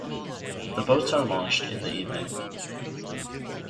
The boats are launched in the evening.